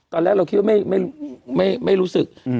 ตอนแรกเราคิดว่าไม่รู้สึก